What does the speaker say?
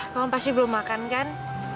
memang pasti belum makan kan